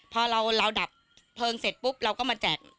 พอเราดับเพลิงเสร็จปุ๊บเราก็มาแจก